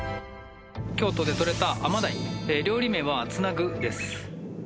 京都で取れたアマダイ料理名は繋ぐです